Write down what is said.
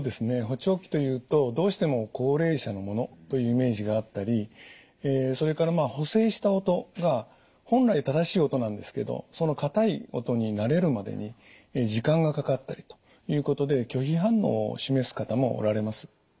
補聴器というとどうしても高齢者のものというイメージがあったりそれから補正した音が本来正しい音なんですけどその硬い音に慣れるまでに時間がかかったりということで拒否反応を示す方もおられます。